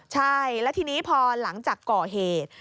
ใช่แล้วทีนี้พอหลังจากก่อเหตุ